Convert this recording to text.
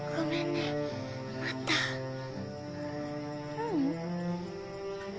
ううん。